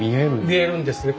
見えるんですね。